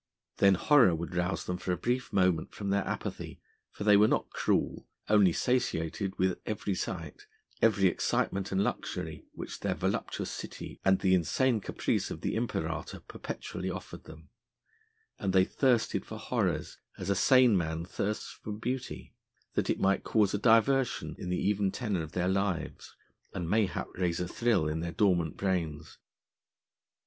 Then horror would rouse them for a brief moment from their apathy, for they were not cruel, only satiated with every sight, every excitement and luxury which their voluptuous city and the insane caprice of the imperator perpetually offered them; and they thirsted for horrors as a sane man thirsts for beauty, that it might cause a diversion in the even tenor of their lives, and mayhap raise a thrill in their dormant brains.